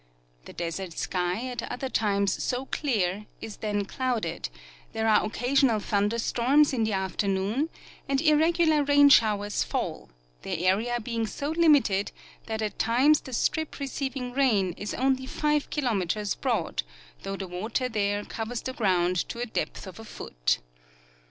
The desert sky, at other times so clear, is then clouded ; there are occasional thunder storms in the afternoon ; and irregular rain showers fall, their area being so limited that at times the strip receiving rain is only 5 kilometers broad, though the water there covers the ground to a depth of a foot.